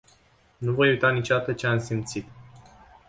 Nu voi uita niciodată ce am simțit.